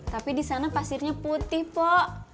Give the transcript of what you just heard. tapi di sana pasirnya putih pok